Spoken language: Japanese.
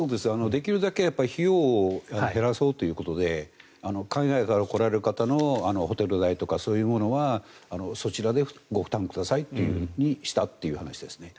できるだけ費用を減らそうということで海外から来られる方のホテル代とかそういうものはそちらでご負担くださいというふうにしたということです。